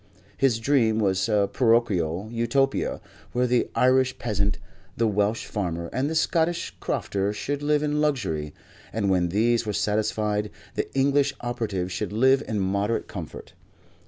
His dream was a parochial Utopia where the Irish peasant, the Welsh farmer and the Scottish crofter should live in luxury, and when these were satisfied, the English operative should live in moderate comfort.